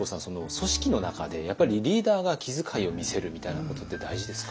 組織の中でやっぱりリーダーが気遣いを見せるみたいなことって大事ですか？